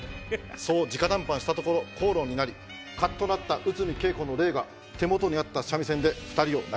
そう直談判したところ口論になりカッとなった内海桂子の霊が手元にあった三味線で２人を殴り殺した。